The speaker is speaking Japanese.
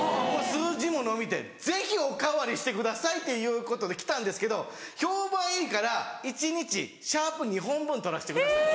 数字も伸びてぜひお代わりしてくださいということで来たんですけど「評判いいから一日シャープ２本分撮らしてください」。